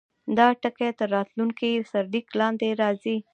دا ټکی تر راتلونکي سرلیک لاندې راځي.